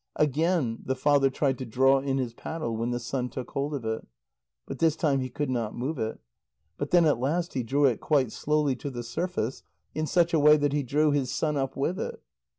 Again the father tried to draw in his paddle when the son took hold of it, but this time he could not move it. But then at last he drew it quite slowly to the surface, in such a way that he drew his son up with it.